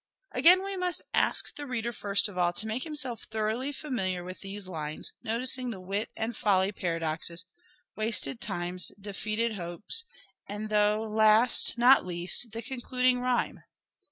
Again we must ask the reader first of all to make himself thoroughly familiar with these lines, noticing the wit and folly paradoxes, wasted time, defeated LYRIC POETRY OF EDWARD DE VERE 185 hopes, and, though last not least, the concluding rhyme.